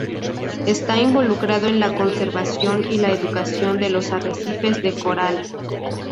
Está involucrado en la conservación y la educación de los arrecifes de coral.